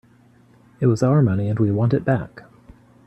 It was our money and we want it back.